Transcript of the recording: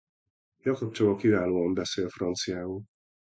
Jakab Csaba kiválóan beszél franciául.